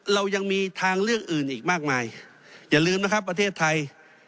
เรายังมีทางเลือกอื่นอีกมากมายอย่าลืมนะครับประเทศไทย